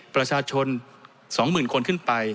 ประชาชนสองหมื่นคนขึ้นไป